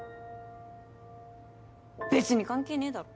別に関係ねえだろ！